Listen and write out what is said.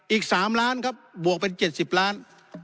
อีก๓ล้านครับบวกเป็น๗๐ล้าน